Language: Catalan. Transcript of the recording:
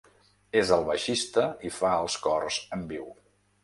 És el baixista i fa els cors en viu.